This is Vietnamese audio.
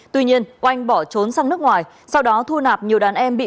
tuy nhiên oanh bỏ trốn sang nước ngoài sau đó thu nạp nhiều đàn em bị